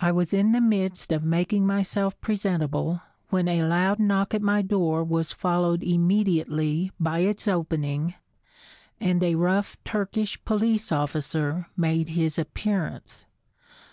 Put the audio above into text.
I was in the midst of making myself presentable when a loud knock at my door was followed immediately by its opening, and a rough Turkish police officer made his appearance.